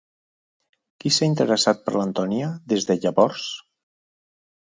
Qui s'ha interessat per l'Antònia des de llavors?